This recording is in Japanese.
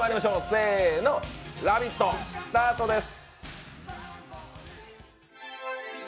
せーの、「ラヴィット！」スタートです。